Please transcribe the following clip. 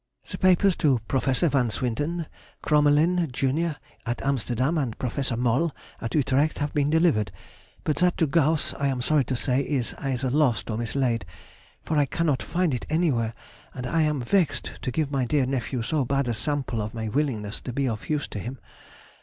The papers to Professor Van Swinden, Crommelin jun., at Amsterdam, and Professor Moll, at Utrecht, have been delivered, but that to Gauss, I am sorry to say, is either lost or mislaid, for I cannot find it anywhere, and I am vexed to give my dear nephew so bad a sample of my willingness to be of use to him.